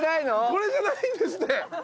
これじゃないんですって！